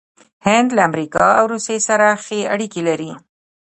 هند له امریکا او روسیې سره ښې اړیکې لري.